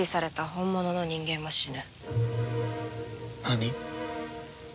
何！？